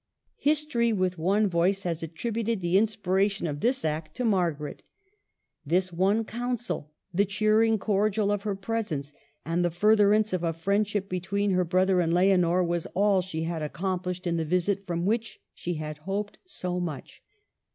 History with one voice has attributed the inspiration of this act to Margaret. This one counsel, the cheering cordial of her presence, and the furtherance of a friendship between her brother and Leonor, was all she had accom plished in the visit from which she had hoped so much.